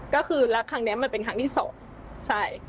ก็คือรักครั้งนี้มันเป็นครั้งที่สองใช่